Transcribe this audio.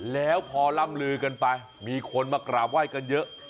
แล้วพอล่ำลือกันไปมีคนมากราบไหว้กันเยอะ